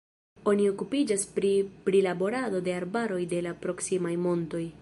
Oni okupiĝas pri prilaborado de arbaroj de la proksimaj montoj.